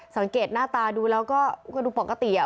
สังเกตหน้าตาดูแล้วก็ดูปกติ